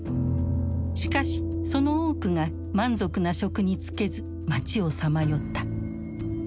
しかしその多くが満足な職に就けず街をさまよった。